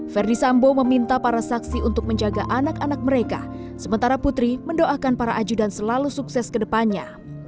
verdi sambo meminta para saksi untuk menjaga anak anak mereka sementara putri mendoakan para ajudan selalu sukses ke depannya